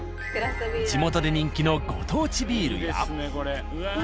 地元で人気のご当地ビールや。